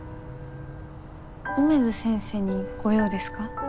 梅津先生にご用ですか？